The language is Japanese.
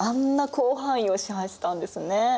広範囲を支配したんですね。